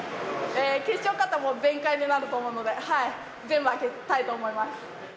決勝勝ったら、もう全開になると思うので、全部開けたいと思います。